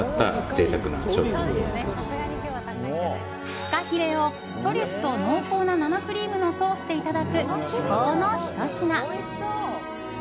フカヒレをトリュフと濃厚な生クリームのソースでいただく至高のひと品。